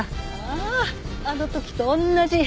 あああの時と同じ！